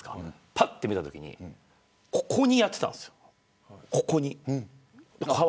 ぱっと見たときにここにやってたんですよ。